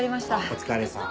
お疲れさん。